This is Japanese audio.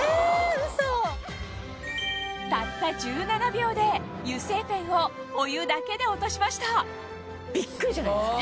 たった１７秒で油性ペンをお湯だけで落としましたビックリじゃないですか？